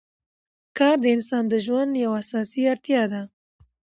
کار د انسان د ژوند یوه اساسي اړتیا ده